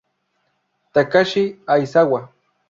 Takashi Aizawa